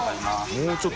もうちょっと。